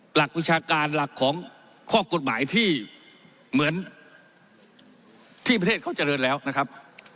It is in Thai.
หลักวิชาการหลักของข้อกฎหมายที่เหมือนที่ประเทศเขาเจริญแล้วนะครับ